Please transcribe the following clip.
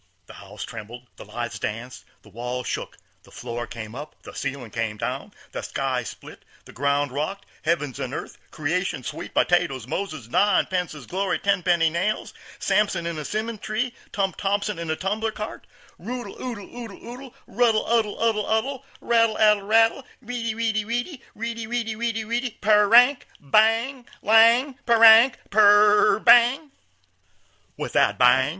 The house trembled, the lights danced, the walls shuk, the floor come up, the ceilin' come down, the sky split, the ground rocked heavens and earth, creation, sweet potatoes, Moses, ninepences, glory, tenpenny nails, Samson in a 'simmon tree, Tump Tompson in a tumbler cart, roodle oodle oodle oodle ruddle uddle uddle uddle raddle addle eedle riddle iddle iddle iddle reedle eedle eedle eedle p r r r rlank! Bang!!! lang! perlang! p r r r r r!! Bang!!!! With that bang!